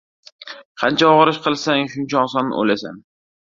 • Qancha og‘ir ish qilsang, shuncha oson o‘lasan.